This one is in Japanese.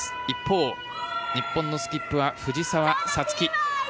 一方、日本のスキップは藤澤五月。